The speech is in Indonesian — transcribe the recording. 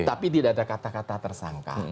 tapi tidak ada kata kata tersangka